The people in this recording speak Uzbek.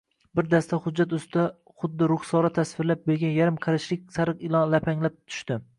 Bir dasta hujjat ustiga xuddi Ruxsora tavsiflab bergan yarim qarichlik sariq ilon lapanglab tushdi